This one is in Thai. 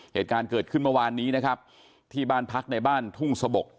เหตุการณ์เกิดขึ้นเมื่อวานนี้นะครับที่บ้านพักในบ้านทุ่งสะบก